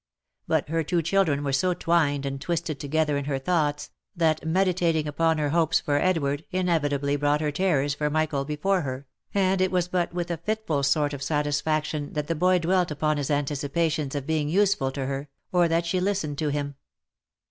But her two children were so twined and twisted together in her thoughts, that meditating upon her hopes for Edward inevitably brought her terrors for Michael before her, and it was but with a jfitful sort of satisfaction that the boy dwelt upon his anticipations of being useful to her, or that she listened to him.